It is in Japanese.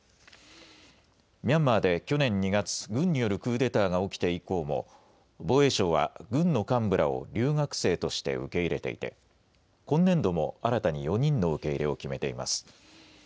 ミャンマーで去年２月、軍によるクーデターが起きて以降も、防衛省は軍の幹部らを留学生として受け入れていて、今年度も新たに４人の受け入れを決めています。